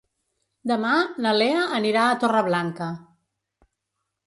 Demà na Lea anirà a Torreblanca.